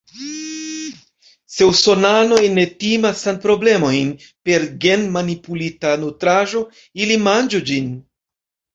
Se usonanoj ne timas sanproblemojn per gen-manipulita nutraĵo, ili manĝu ĝin.